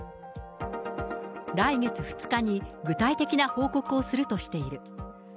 来月２日に具体的な報告をするとしている。